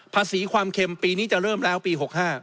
ภาษีความเค็มปีนี้จะเริ่มแล้วปี๖๕